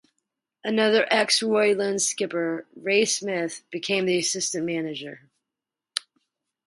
Another ex Roylen skipper, Ray Smith, became the Assistant Manager.